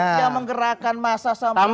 yang menggerakkan masa sampai